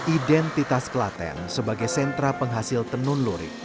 identitas klaten sebagai sentra penghasil tenun lurik